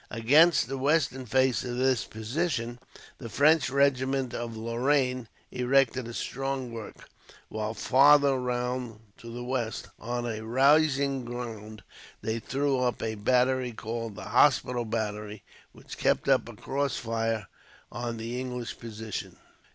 Against the western face of this position the French regiment of Lorraine erected a strong work, while farther round to the west, on a rising ground, they threw up a battery called the Hospital Battery, which kept up a crossfire on the English position.